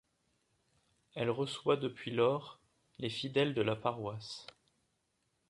Elle reçoit depuis lors les fidèles de la paroisse.